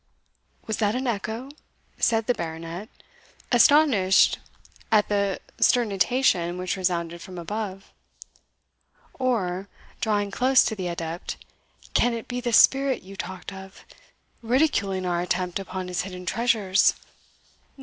"Was that an echo?" said the Baronet, astonished at the sternutation which resounded from above; "or" drawing close to the adept, "can it be the spirit you talked of, ridiculing our attempt upon his hidden treasures?"